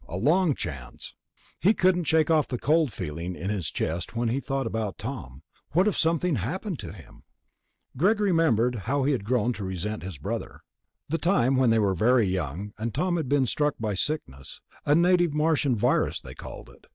A long chance. He couldn't shake off the cold feeling in his chest when he thought about Tom. What if something happened to him.... Greg remembered how he had grown to resent his brother. The time when they were very young and Tom had been struck by the sickness, a native Martian virus they called it.